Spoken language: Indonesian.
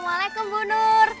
assalamualaikum bu nur